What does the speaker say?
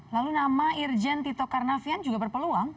lalu nama irjen tito karnavian juga berpeluang